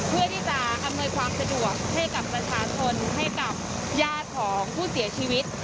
เพื่อที่จะอำนวยความสะดวกให้กับประชาชนให้กับญาติของผู้เสียชีวิต